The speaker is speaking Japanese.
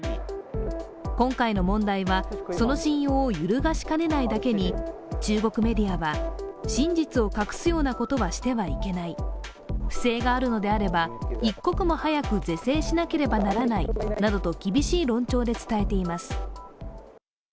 今回の問題はその信用を揺るがしかねないだけに中国メディアは真実を隠すようなことはしてはいけない、不正があるのであれば、一刻も早く是正しなければならないなどと厳しい論調で伝えています。